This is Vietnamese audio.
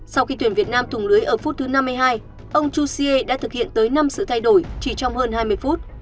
sau khi tuyển việt nam thùng lưới ở phút thứ năm mươi hai ông jose đã thực hiện tới năm sự thay đổi chỉ trong hơn hai mươi phút